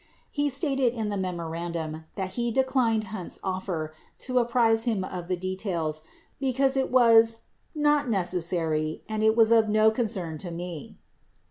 He stated in the memorandum that he declined Hunt's offer to apprise him of the details because it was "not necessary [and] it was of no concern to me."